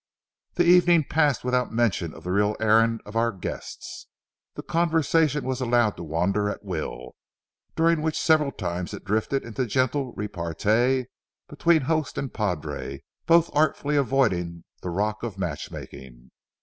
The evening passed without mention of the real errand of our guests. The conversation was allowed to wander at will, during which several times it drifted into gentle repartee between host and padre, both artfully avoiding the rock of matchmaking.